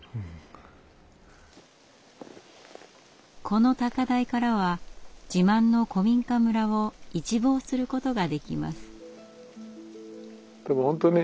この高台からは自慢の古民家村を一望することができます。